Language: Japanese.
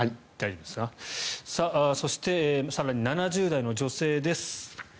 そして更に７０代の女性です。